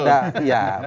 jadi harus santun